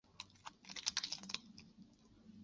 三叶虫和腕足类很多。